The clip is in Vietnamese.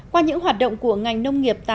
qua những hoạt động của ngành nông nghiệp